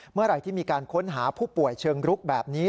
เมื่อไหร่ที่มีการค้นหาผู้ป่วยเชิงรุกแบบนี้